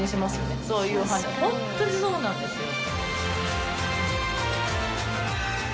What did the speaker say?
ホントにそうなんですよ。